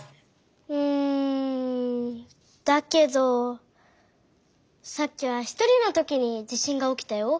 うんだけどさっきはひとりのときに地しんがおきたよ。